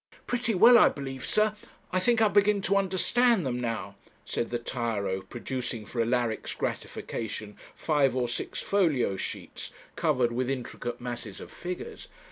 'Pretty well, I believe, sir; I think I begin to understand them now,' said the tyro, producing for Alaric's gratification five or six folio sheets covered with intricate masses of figures.